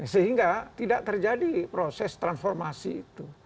sehingga tidak terjadi proses transformasi itu